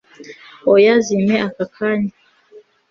oya, zimpe aka kanya